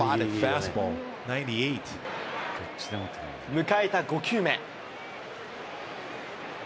迎えた５球目。